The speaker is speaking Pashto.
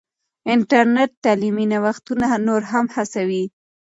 انټرنیټ تعلیمي نوښتونه نور هم هڅوي.